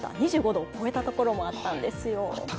２５度を超えたところもあったんですよ。